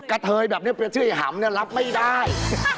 กระเทยแบบนี้เป็นชื่อไอ้หำเนี่ยรับไม่ได้